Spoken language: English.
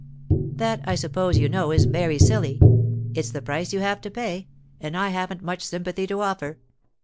'That, I suppose you know, is very silly. It's the price you have to pay, and I haven't much sympathy to offer.